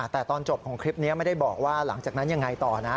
แต่ตอนจบของคลิปนี้ไม่ได้บอกว่าหลังจากนั้นยังไงต่อนะ